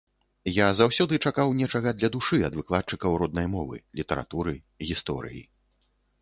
Я заўсёды чакаў нечага для душы ад выкладчыкаў роднай мовы, літаратуры, гісторыі.